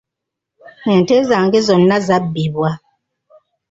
Ente zange zonna zabbibwa